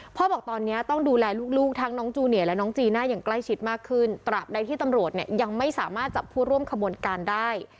บอกตอนนี้ต้องดูแลลูกทั้งน้องจูเนียและน้องจีน่าอย่างใกล้ชิดมากขึ้นตราบใดที่ตำรวจเนี่ยยังไม่สามารถจับผู้ร่วมขบวนการได้